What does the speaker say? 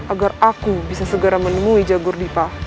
agar aku bisa segera menemui jagur dipah